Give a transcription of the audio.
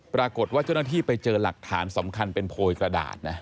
ปรากฏว่าเจ้าหน้าที่ไปเจอหลักฐานสำคัญเป็นโพยกระดาษนะ